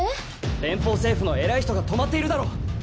連邦政府の偉い人が泊まっているだろう。